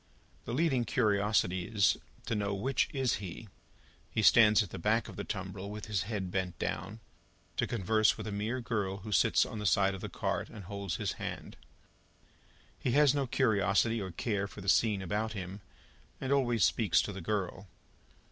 The leading curiosity is, to know which is he; he stands at the back of the tumbril with his head bent down, to converse with a mere girl who sits on the side of the cart, and holds his hand. He has no curiosity or care for the scene about him, and always speaks to the girl.